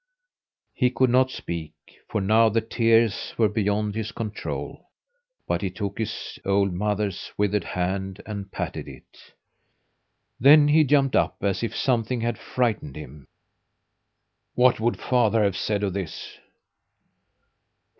He could not speak, for now the tears were beyond his control; but he took his old mother's withered hand and patted it. Then he jumped up, as if something had frightened him. "What would father have said of this?"